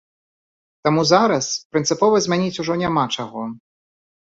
Таму зараз прынцыпова змяніць ужо няма чаго.